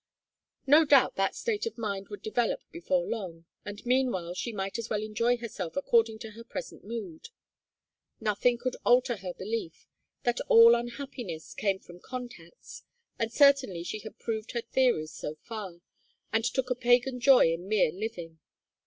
No doubt that state of mind would develop before long, and meanwhile she might as well enjoy herself according to her present mood. Nothing could alter her belief that all unhappiness came from contacts, and certainly she had proved her theories so far, and took a pagan joy in mere living.